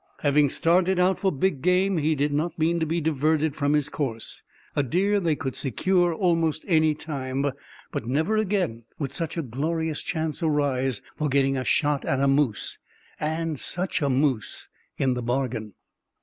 Having started out for big game, he did not mean to be diverted from his course. A deer they could secure almost any time, but never again would such a glorious chance arise for getting a shot at a moose—and such a moose, in the bargain!